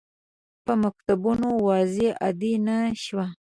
په مکتوبونو وضع عادي نه شوه.